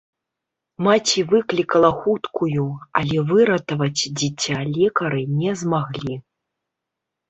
Маці выклікала хуткую, але выратаваць дзіця лекары не змаглі.